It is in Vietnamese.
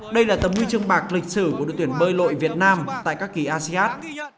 đây là tấm huy chương bạc lịch sử của đội tuyển bơi lội việt nam tại các kỳ asean